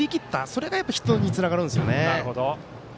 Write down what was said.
それがやっぱりヒットにつながるんですよね。